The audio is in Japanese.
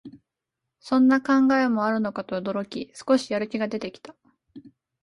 そんな考え方もあるのかと驚き、少しやる気出てきた